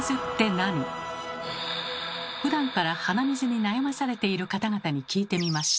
ふだんから鼻水に悩まされている方々に聞いてみました。